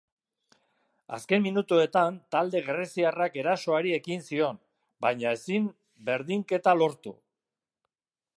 Azken minutuetan talde greziarrak erasoari ekin zion, baina ezin berdinketa lortu.